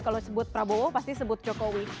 kalau disebut prabowo pasti disebut jokowi